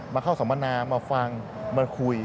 มาเข้าสัมมนามาฟังมาคุย